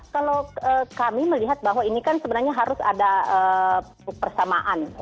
kalau kami melihat bahwa ini kan sebenarnya harus ada persamaan